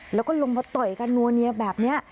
แล้วก็ลงมาต่อยกันนัวเนียแบบนี้